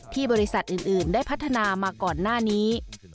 บริษัทอื่นได้พัฒนามาก่อนหน้านี้